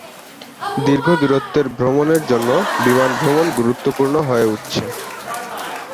দীর্ঘ দূরত্বের ভ্রমণের জন্য বিমান ভ্রমণ গুরুত্বপূর্ণ হয়ে উঠছে।